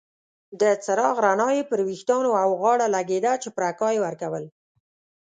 د څراغ رڼا یې پر ویښتانو او غاړه لګیده چې پرکا یې ورکول.